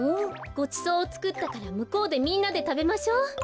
ごちそうをつくったからむこうでみんなでたべましょう。